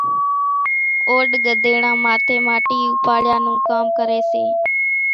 اوڏ ڳڌيڙان ماٿيَ ماٽِي اوپاڙِيا نون ڪام ڪريَ سي۔